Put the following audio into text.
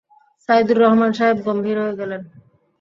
সাইদুর রহমান সাহেব গম্ভীর হয়ে গেলেন।